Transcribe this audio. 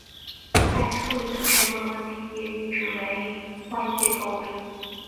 再处理的成本问题也一直为外界诟病。